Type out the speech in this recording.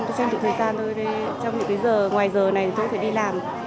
tôi trang trị thời gian tôi trong những cái giờ ngoài giờ này tôi có thể đi làm